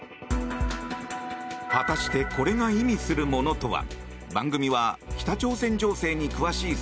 果たしてこれが意味するものとは？